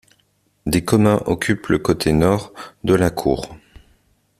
Des communs occupent le côté nord de la cour.